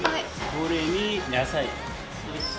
これに野菜。